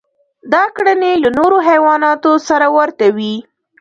دا کړنې له نورو حیواناتو سره ورته وې.